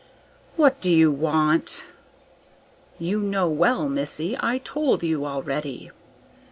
"What do you want?" "You know well, missy; I told you already."